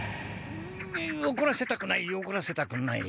おこらせたくないおこらせたくない。